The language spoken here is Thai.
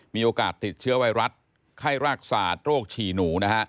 มีโอกาสติดเชื้อไวรัสไข้รากษาโรคฉี่หนู